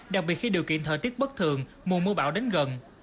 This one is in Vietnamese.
đặc biệt khi điều kiện thời tiết bất thường mùa mưa bão đến gần